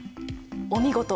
お見事！